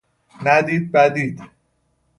ندید بدید